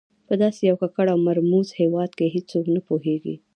په داسې یو ککړ او مرموز هېواد کې هېڅوک نه پوهېږي.